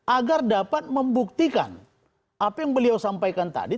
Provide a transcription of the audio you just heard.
agar dapat membuktikan apa yang beliau sampaikan tadi